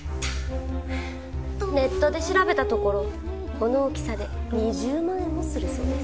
ネットで調べたところこの大きさで２０万円もするそうです。